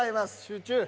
集中！